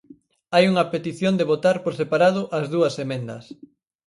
Hai unha petición de votar por separado as dúas emendas.